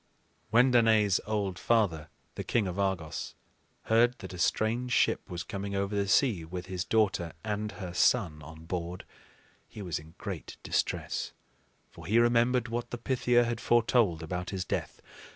When Danaë's old father, the king of Argos, heard that a strange ship was coming over the sea with his daughter and her son on board, he was in great distress; for he remembered what the Pythia had foretold about his death.